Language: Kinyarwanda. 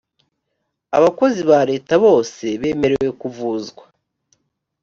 abakozi ba leta bose bemerewe kuvuzwa